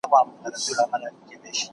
زه به سبا سیر کوم!